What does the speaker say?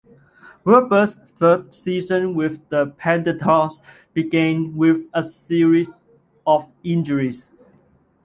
Weber's third season with the Predators began with a series of injuries.